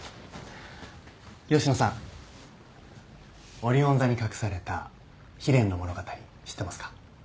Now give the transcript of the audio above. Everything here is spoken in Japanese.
オリオン座に隠された悲恋の物語知ってますか？